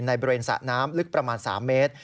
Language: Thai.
บริเวณสระน้ำลึกประมาณ๓เมตร